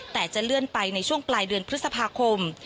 แต่จะเลื่อนไปในช่วงปลายเดือนพฤษภาคม